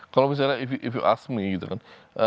kalau misalnya if you ask me gitu kan